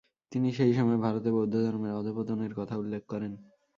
তিনি সেই সময়ে ভারতে বৌদ্ধ ধর্মের অধঃপতনের কথা উল্লেখ করেন।